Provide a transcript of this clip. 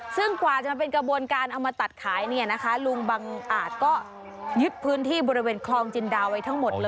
ซึ่งกว่าจะมาเป็นกระบวนการเอามาตัดขายเนี่ยนะคะลุงบังอาจก็ยึดพื้นที่บริเวณคลองจินดาไว้ทั้งหมดเลย